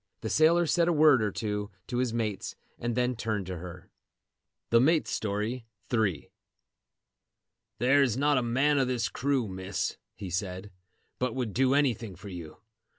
The sailor said a word or two to his mates and then turned to her. THE MATE'S STORY.—III. "There is not a man of this crew, Miss," he said, "but would do anything for you.